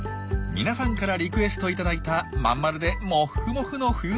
皆さんからリクエスト頂いたまん丸でモッフモフの冬のシマエナガ。